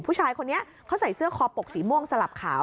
ผู้ชายคนนี้เขาใส่เสื้อคอปกสีม่วงสลับขาว